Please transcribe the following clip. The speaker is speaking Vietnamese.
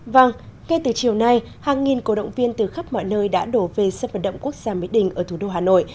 vâng ngay từ chiều nay hàng nghìn cổ động viên từ khắp mọi nơi đã đổ về sân vận động quốc gia mỹ đình ở thủ đô hà nội